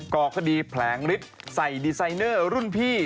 ก่อคดีแผลงฤทธิ์ใส่ดีไซเนอร์รุ่นพี่